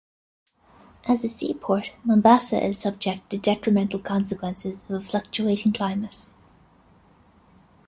As a sea port, Mombasa is subject to detrimental consequences of a fluctuating climate.